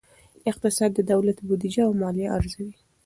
اقتصاد د دولت بودیجه او مالیه ارزوي.